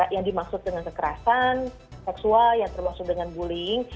yang dimaksud dengan kekerasan seksual yang termasuk dengan bullying